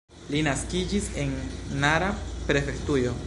Li naskiĝis en Nara prefektujo.